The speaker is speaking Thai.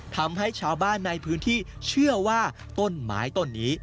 ทำให้ชาวบ้านในพื้นที่เชื่อว่าต้นไม้ต้นนี้